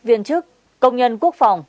viên chức công nhân quốc phòng